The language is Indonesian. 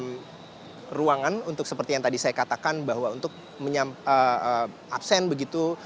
di ruangan untuk seperti yang tadi saya katakan bahwa untuk absen begitu